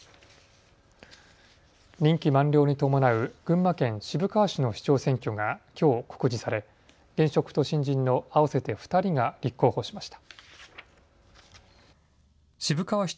任期満了に伴う群馬県渋川市の市長選挙が、きょう告示され現職と新人の合わせて２人が立候補しました。